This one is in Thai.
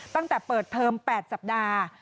ตั้งแต่เปิดเทอม๘สัปดาห์